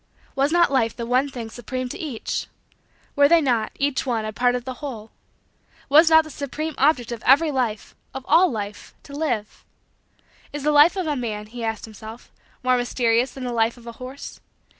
Was not Life the one thing supreme to each? Were they not, each one, a part of the whole? Was not the supreme object of every life, of all life, to live? Is the life of a man, he asked himself, more mysterious than the life of a horse?